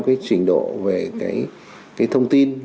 cái trình độ về cái thông tin